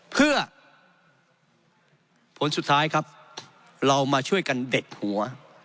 เพื่อผลสุดท้ายครับเรามาช่วยกันเด็ดหัว